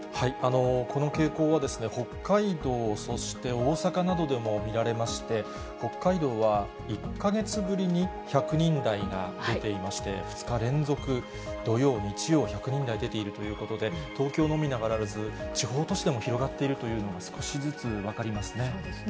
この傾向は、北海道、そして大阪などでも見られまして、北海道は１か月ぶりに１００人台が出ていまして、２日連続、土曜、日曜１００人台出ているということで、東京のみならず、地方都市でも広がっているというのが、少しずつ分かりますね。